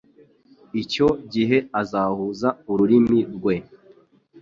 Icyo gihe azahuza ururimi rwe